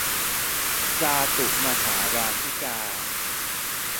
จาตุมหาราชิกา